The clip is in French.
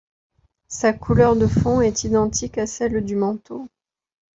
Sa couleur de fond est identique à celle du manteau.